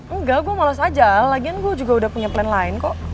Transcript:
enggak gue malos aja lagian gue juga udah punya plan lain kok